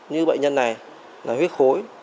như bệnh nhân này là huyết khối